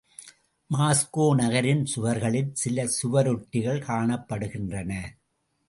Moscow நகரின் சுவர்களில் சில சுவரொட்டிகள் காணப்படுகின்றன.